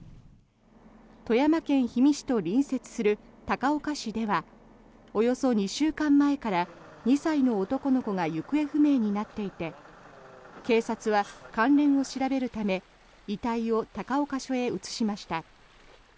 富山県氷見市と隣接する高岡市ではおよそ２週間前から２歳の男の子が行方不明になっていて警察は関連を調べるため遺体を高岡署へ移しました。